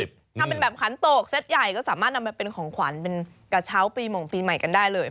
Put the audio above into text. ถ้าเป็นแบบขันโตกเซ็ตใหญ่ก็สามารถนำมาเป็นของขวัญเป็นกระเช้าปีหม่งปีใหม่กันได้เลย